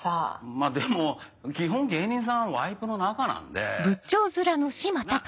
まぁでも基本芸人さんワイプの中なんで。なぁ。